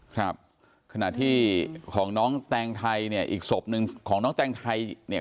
ครับขณะที่ของน้องแตงไทยเนี่ยอีกศพหนึ่งของน้องแตงไทยเนี่ย